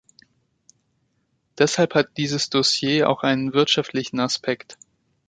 Deshalb hat dieses Dossier auch einen wirtschaftlichen Aspekt.